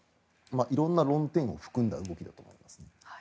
色んな論点を含んだ動きだと思うんですね。